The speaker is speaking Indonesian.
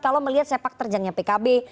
kalau melihat sepak terjangnya pkb